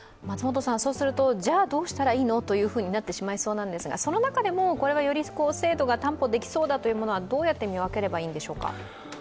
じゃあどうしたらいいのとなってしまいそうなんですが、その中でもこれはより精度が担保できそうだというものはどうやって見分ければいいんでしょうか？